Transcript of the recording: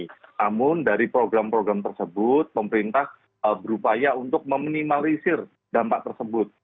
namun dari program program tersebut pemerintah berupaya untuk meminimalisir dampak tersebut